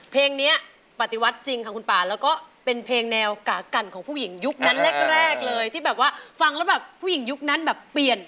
เพลงนี้ปฏิวัติจริงของคุณป่าแล้วก็เป็นเพลงแนวกากันของผู้หญิงยุคนั้นแรกเลย